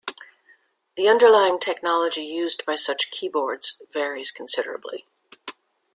The underlying technology used by such keyboards varies considerably.